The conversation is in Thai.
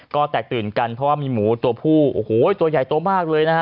ก็แตกตื่นกันเพราะว่ามีหมูตัวผู้โอ้โหตัวใหญ่ตัวมากเลยนะฮะ